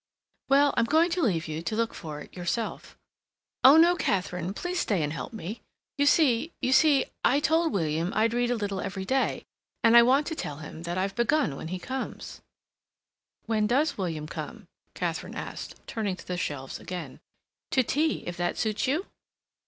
"Well, I'm going to leave you to look for it by yourself." "Oh, no, Katharine. Please stay and help me. You see—you see—I told William I'd read a little every day. And I want to tell him that I've begun when he comes." "When does William come?" Katharine asked, turning to the shelves again. "To tea, if that suits you?"